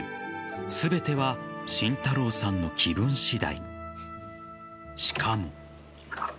全ては慎太郎さんの気分次第。